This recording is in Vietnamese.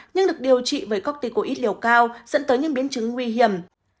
nhưng được điều trị với corticoid liều cao dẫn tới những biến chứng nguy hiểm